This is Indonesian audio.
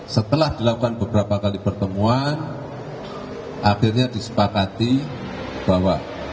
setelah dilakukan beberapa kali pertemuan akhirnya disepakati bahwa